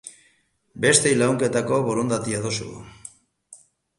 Besteei laguntzeko borondatea duzu.